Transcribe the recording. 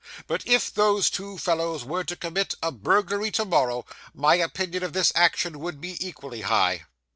But if those two fellows were to commit a burglary to morrow, my opinion of this action would be equally high.